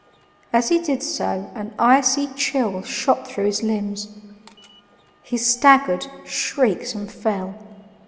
As he did so, an icy chill shot through his limbs; he staggered, shrieked, and fell.